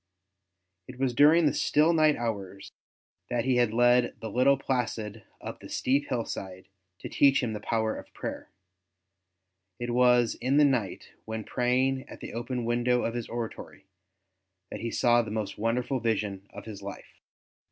It was during the still night hours that he had led the little Placid up the steep hillside to teach him the power of prayer; and it was in the night, when praying at the open window of his oratory, that he saw the most wonderful vision of his life.